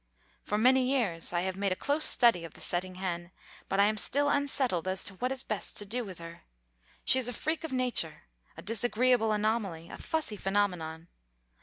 For many years I have made a close study of the setting hen, but I am still unsettled as to what is best to do with her. She is a freak of nature, a disagreeable anomaly, a fussy phenomenon.